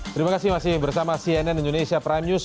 terima kasih masih bersama cnn indonesia prime news